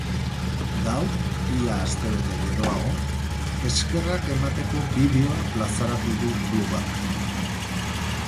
Gaur, ia astebete geroago, eskerrak emateko bideoa plazaratu du klubak.